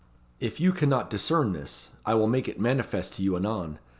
If you cannot discern this, I will make it manifest to you anon.